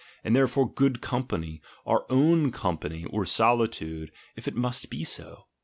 And therefore good company, our own company, or solitude, if it must be so!